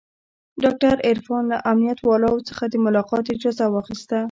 ډاکتر عرفان له امنيت والاو څخه د ملاقات اجازه واخيسته.